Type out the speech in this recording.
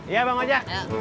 iya bang wajek